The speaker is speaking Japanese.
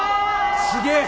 すげえ。